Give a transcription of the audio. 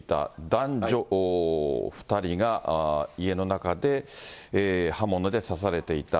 男女２人が家の中で刃物で刺されていた。